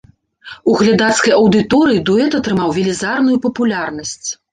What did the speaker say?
У глядацкай аўдыторыі дуэт атрымаў велізарную папулярнасць.